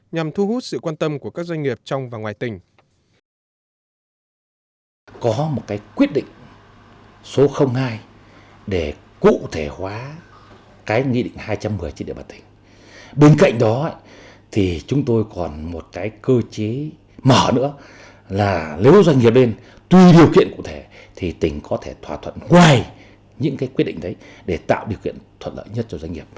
nhằm thu hút sự quan tâm của các doanh nghiệp